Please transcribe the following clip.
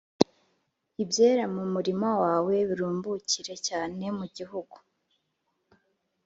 ibyera mu murima wawe birumbukire cyane+ mu gihugu